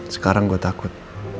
sekarang gue takut